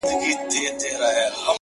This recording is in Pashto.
گرانه په دغه سي حشر كي جــادو.